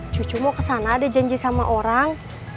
cucu mau kesana ada janji sama orang